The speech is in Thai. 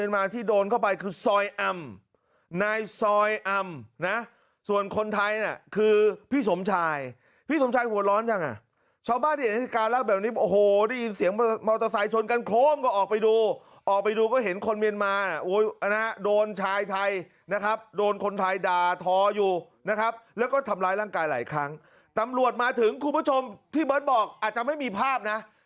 นายซอยอำนะส่วนคนไทยน่ะคือพี่สมชายพี่สมชายหัวร้อนจังอ่ะชาวบ้านที่เห็นการรักแบบนี้โอ้โหได้ยินเสียงมอเตอร์ไซด์ชนกันโค้มก็ออกไปดูออกไปดูก็เห็นคนเมียนมาอ่ะโอ้ยนะโดนชายไทยนะครับโดนคนไทยด่าท้ออยู่นะครับแล้วก็ทำร้ายร่างกายหลายครั้งตำรวจมาถึงคุณผู้ชมที่เบิร์ดบอกอาจจะไม่มีภาพนะ